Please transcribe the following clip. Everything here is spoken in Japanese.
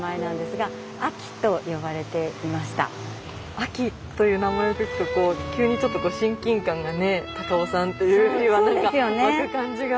「あき」という名前を聞くとこう急にちょっと親近感がね高尾さんというよりは何か湧く感じが。